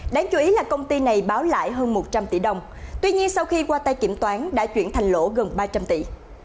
đáng chú ý là công ty này báo lại hơn một trăm linh tỷ đồng tuy nhiên sau khi qua tay kiểm toán đã chuyển thành lỗ gần ba trăm linh tỷ